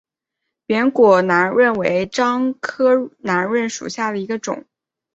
扁果润楠为樟科润楠属下的一个种。